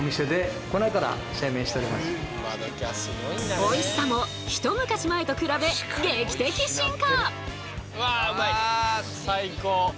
おいしさも一昔前と比べ劇的進化！